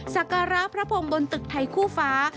สักการะพระพรมบนตึกไทยคู่ฟ้า